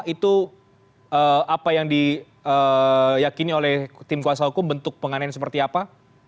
itu apa yang diyakini oleh tim kuasa hukum bentuk penganian seperti apa